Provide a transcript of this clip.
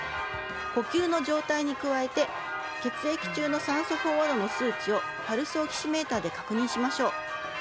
呼吸の状態に加えて血液中の酸素飽和度の数値をパルスオキシメーターで確認しましょう。